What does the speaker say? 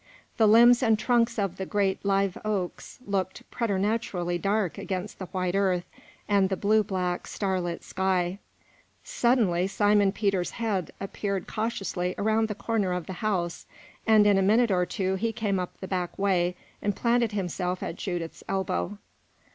The limbs and trunks of the great live oaks looked preternaturally dark against the white earth and the blue black, star lit sky. Suddenly Simon Peter's head appeared cautiously around the corner of the house, and in a minute or two he came up the back way and planted himself at Judith's elbow.